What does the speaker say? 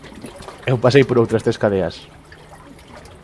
Eu pasei por outras tres cadeas.